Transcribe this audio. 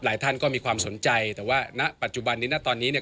ท่านก็มีความสนใจแต่ว่าณปัจจุบันนี้นะตอนนี้เนี่ย